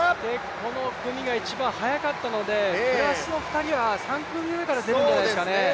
この組が一番速かったので、プラスの２人は３組目から出るんじゃないですかね